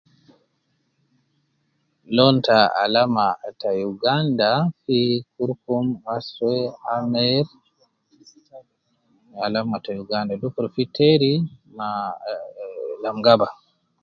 Lon ta alama ta uganda fi kurukum aswe amer, alama ta uganda dukur fi teri ma ah lam gaba